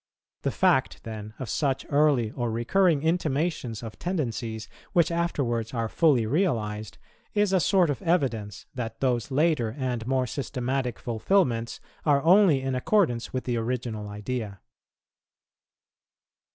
The fact, then, of such early or recurring intimations of tendencies which afterwards are fully realized, is a sort of evidence that those later and more systematic fulfilments are only in accordance with the original idea.